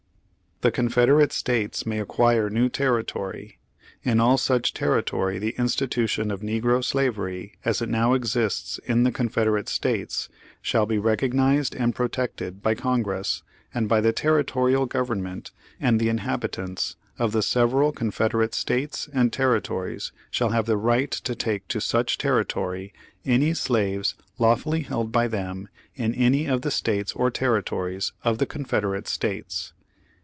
"The Confederate States may acquire new territory. In all such territory the institution of negro Slavery, as it now exists in the Confederate States, shall be recognized and protected by Congress and by the terri W History of the American People. By Woodrow Wilson, Ph.D. Vol. IV, p. 386. Page Fifty one torial government; and the inhabitants of the several Con federate States and territories shall have the rip; ht to take to such territory any slaves lawfully held by them in any of the States or territories of the Confederate States."